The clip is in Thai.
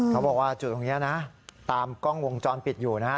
เขาบอกว่าจุดตรงนี้นะตามกล้องวงจรปิดอยู่นะฮะ